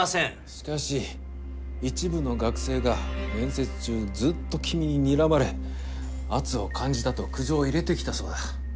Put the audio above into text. しかし一部の学生が面接中ずっと君ににらまれ圧を感じたと苦情を入れてきたそうだ。